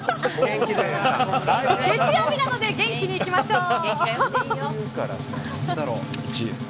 月曜日なので元気にいきましょう。